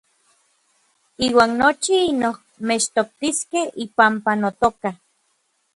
Iuan nochi inoj mechtoktiskej ipampa notoka.